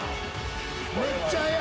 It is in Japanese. めっちゃ速い。